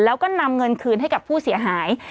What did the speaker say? แล้วก็นำเงินคืนให้กับผู้เสียหาย